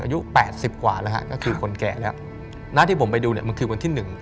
อายุ๘๐กว่าแล้วฮะก็คือคนแก่แล้วนะที่ผมไปดูเนี่ยมันคือวันที่หนึ่ง